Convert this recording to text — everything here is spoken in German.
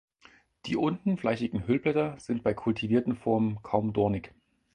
Die unten fleischigen Hüllblätter sind bei kultivierten Formen kaum dornig.